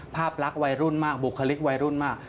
ภาพรักวัยรุ่นมากบุคลิกวัยรุ่นมาก